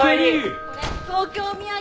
これ東京土産。